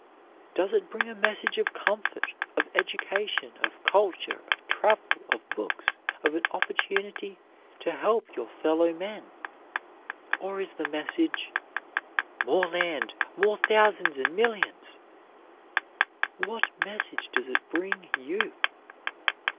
Does it bring a message of comfort, of education, of culture, of travel, of books, of an opportunity to help your fellow men or is the message "More land, more thousands and millions"? What message does it bring you?